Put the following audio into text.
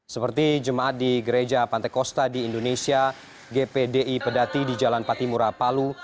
seperti jemaat di gereja pantai kosta di indonesia gpdi pedati di jalan patimura palu